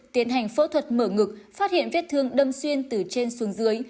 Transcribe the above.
tiến hành phẫu thuật mở ngực phát hiện vết thương đâm xuyên từ trên xuống dưới